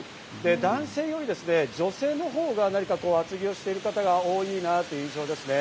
男性より女性のほうが厚着をしている方が多いなという印象です。